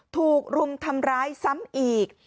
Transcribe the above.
ถูกรุมทำร้ายซ้ำอีก